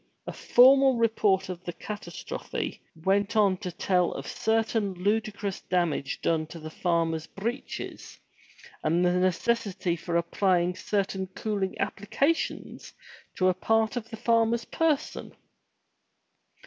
A formal report of the catastrophe went on to tell of certain ludicrous damage done to the farmer's breeches and the necessity for applying certain cooling applica tions to a part of the farmer's person.